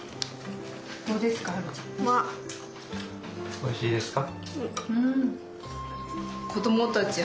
・おいしいですか？